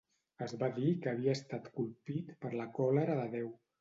Es va dir que havia estat colpit per la còlera de Déu.